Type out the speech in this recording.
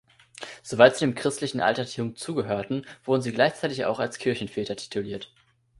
Soweit sie dem christlichen Altertum zugehörten, wurden sie gleichzeitig auch als „Kirchenväter“ tituliert.